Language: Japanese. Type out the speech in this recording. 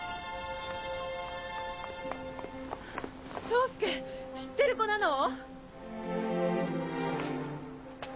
宗介知ってる子なの？